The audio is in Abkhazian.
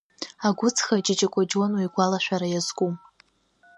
Агәыҵха Ҷыҷыкәа Џьонуа игәалашәара иазку…